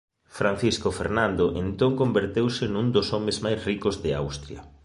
Francisco Fernando entón converteuse nun dos homes máis ricos de Austria.